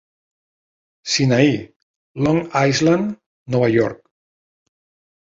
Sinaí, Long Island, Nova York.